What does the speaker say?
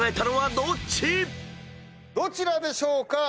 どちらでしょうか？